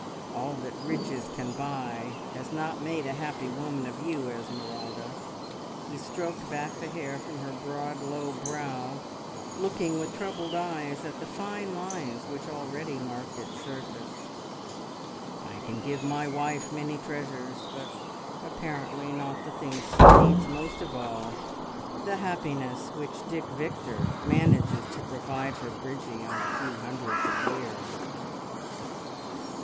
`All that riches can buy' has not made a happy woman of you, Esmeralda." He stroked back the hair from her broad, low brow, looking with troubled eyes at the fine lines which already marked its surface. "I can give my wife many treasures, but apparently not the thing she needs most of all the happiness which Dick Victor manages to provide for Bridgie on a few hundreds a year!"